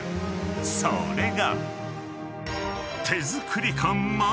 ［それが］